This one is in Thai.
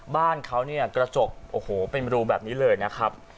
บ้านเขาเนี่ยกระจกโอ้โหเป็นรูแบบนี้เลยนะครับ